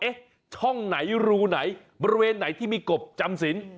ช่องไหนรูไหนบริเวณไหนที่มีกบจำสิน